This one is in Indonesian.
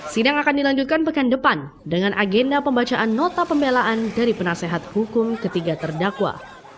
sidang akan dilanjutkan pekan depan dengan agenda pembacaan nota pembelaan dari penasehat hukum ketiga terdakwa